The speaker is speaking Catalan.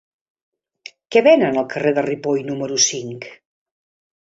Què venen al carrer de Ripoll número cinc?